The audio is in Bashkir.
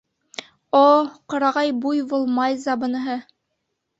— О-о, ҡырағай буйвол Майза быныһы.